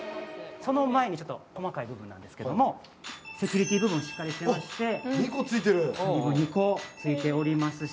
その前にちょっと細かい部分なんですけれども、セキュリティー部分、しっかりしております。